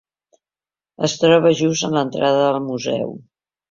Es troba just a l'entrada del museu.